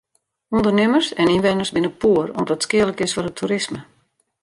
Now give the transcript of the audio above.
Undernimmers en ynwenners binne poer om't it skealik is foar it toerisme.